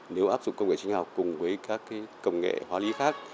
nếu áp dụng công nghệ sinh học cùng với các công nghệ hóa lý khác